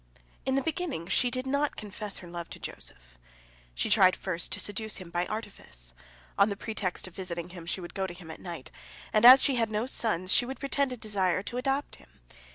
" In the beginning she did not confess her love to Joseph. She tried first to seduce him by artifice. On the pretext of visiting him, she would go to him at night, and, as she had no sons, she would pretend a desire to adopt him.